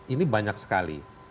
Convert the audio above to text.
ini banyak sekali